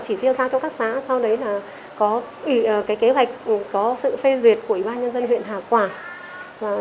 chỉ tiêu giao cho các xã sau đấy là kế hoạch có sự phê duyệt của ủy ban nhân dân huyện hòa quảng